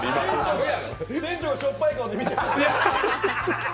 店長、しょっぱい顔で見てる。